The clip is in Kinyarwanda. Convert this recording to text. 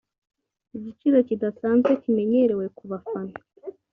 igiciro kidasanzwe kimenyerewe ku bafana